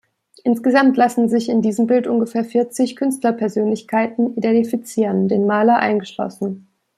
Insgesamt lassen sich in diesem Bild ungefähr vierzig Künstlerpersönlichkeiten identifizieren, den Maler eingeschlossen.